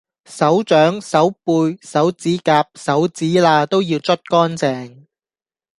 手掌、手背、手指甲、手指罅都要捽乾淨